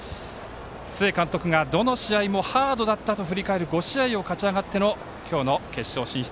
須江監督がどの試合もハードだったと語る振り返る５試合を勝ち上がっての今日の決勝進出。